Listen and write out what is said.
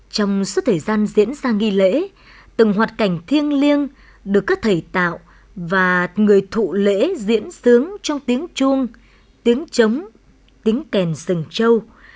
trong suốt thời gian diễn ra nghi lễ từng hoạt cảnh thiêng liêng được các thầy tạo và người thụ lễ diễn sướng trong tiếng chuông tiếng trống tiếng kèn rừng châu